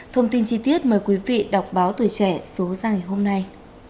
thông tin chi tiết mời quý vị đọc báo tuổi trẻ số ra ngày hôm nay